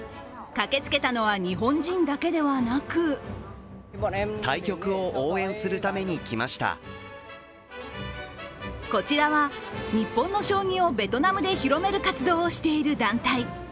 駆けつけたのは日本人だけではなくこちらは日本の将棋をベトナムで広める活動をしている団体。